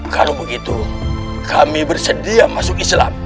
kalau begitu kami bersedia masuk islam